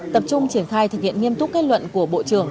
tập trung triển khai thực hiện nghiêm túc kết luận của bộ trưởng